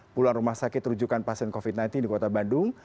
puluhan rumah sakit rujukan pasien covid sembilan belas di kota bandung